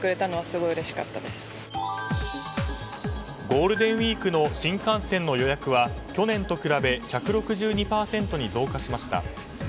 ゴールデンウィークの新幹線の予約は去年と比べ１６２％に増加しました。